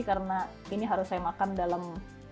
karena ini harus saya makan dalam